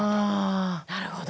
なるほど。